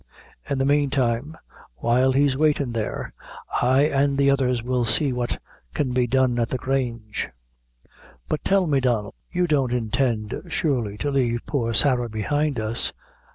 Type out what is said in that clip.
In the meantime, while he's waitin' there, I an' the others will see what can be done at the Grange." "But tell me, Donnel; you don't intend, surely, to leave poor Sarah behind us?"